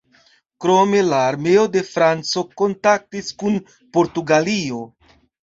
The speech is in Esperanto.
Krome la armeo de Franco kontaktis kun Portugalio.